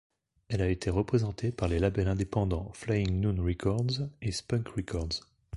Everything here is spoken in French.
Elle a été représentée par les labels indépendants Flying Nun Records et Spunk Records.